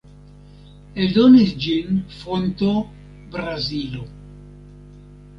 Eldonis ĝin Fonto, Brazilo.